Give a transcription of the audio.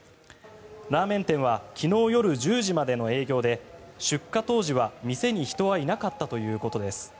ラーメン店は昨日夜１０時までの営業で出火当時は店に人はいなかったということです。